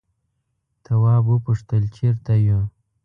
تواب وپوښتل چیرته یو.